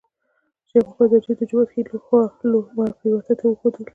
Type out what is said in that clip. شیخ مجید د جومات ښی خوا لمر پریواته ته وښودله.